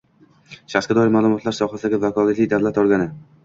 Shaxsga doir ma’lumotlar sohasidagi vakolatli davlat organi